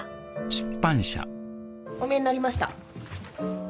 おみえになりました。